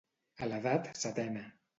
A l'edat setena.